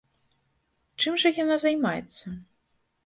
Чым жа яна займаецца?